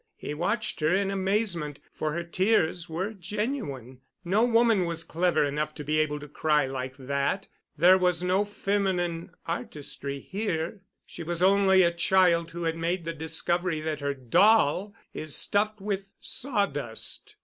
He watched her in amazement, for her tears were genuine. No woman was clever enough to be able to cry like that. There was no feminine artistry here. She was only a child who had made the discovery that her doll is stuffed with sawdust.